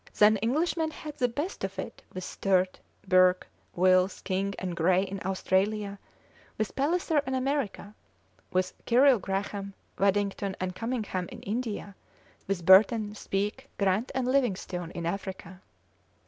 Then Englishmen had the best of it with Sturt, Burke, Wills, King, and Grey in Australia; with Palliser in America; with Cyril Graham, Wadington, and Cummingham in India; with Burton, Speke, Grant, and Livingstone in Africa.